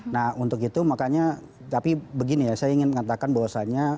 nah untuk itu makanya tapi begini ya saya ingin mengatakan bahwasannya